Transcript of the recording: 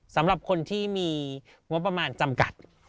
สำหรับคนที่มีงบประมาณจำกัด